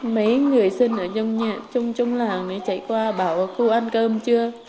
mấy người sinh ở trong nhà trong trong làng này chạy qua bảo cô ăn cơm chưa